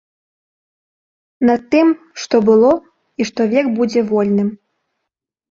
Над тым, што было і што век будзе вольным.